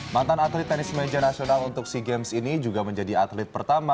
mantan atlet tenis meja nasional untuk sea games ini juga menjadi atlet pertama